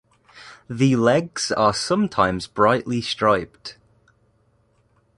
The legs are sometimes brightly striped.